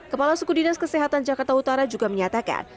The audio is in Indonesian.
kepala suku dinas kesehatan jakarta utara juga menyatakan